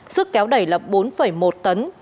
sức kéo đẩy là bốn một tấn